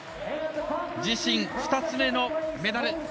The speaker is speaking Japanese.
自身２つ目のメダル。